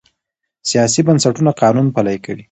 سیاسي بنسټونه قانون پلي کوي